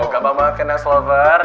gampang banget kan axelover